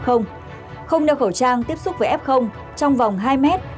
không đeo khẩu trang tiếp xúc với f trong vòng hai mét